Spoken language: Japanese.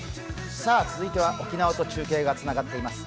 続いては沖縄と中継がつながっています。